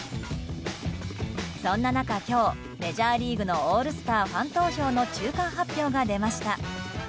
そんな中今日、メジャーリーグのオールスターファン投票の中間発表が出ました。